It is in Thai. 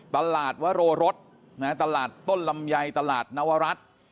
ตลาดวโรรสตลาดต้นลำไยตลาดนวรัฐ